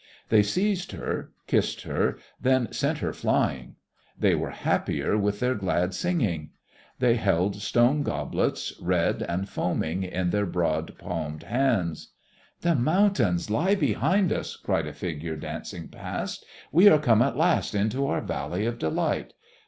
They seized her, kissed her, then sent her flying. They were happier with their glad singing. They held stone goblets, red and foaming, in their broad palmed hands. "The mountains lie behind us!" cried a figure dancing past. "We are come at last into our valley of delight.